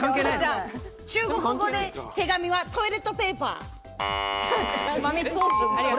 中国語で手紙はトイレットペーパー。